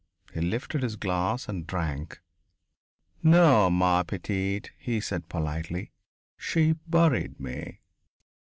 He lifted his glass and drank. "No, ma petite," he said politely, "she buried me."